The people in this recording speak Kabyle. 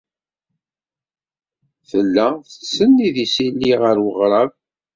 Tella tettsennid isili ɣer weɣrab.